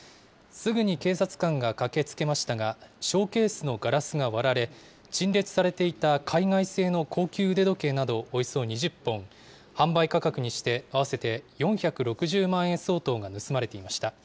すぐに警察官が駆けつけましたが、ショーケースのガラスが割られ、陳列されていた海外製の高級腕時計などおよそ２０本、販売価格にして合わせて４６０万円相当が盗まれていました。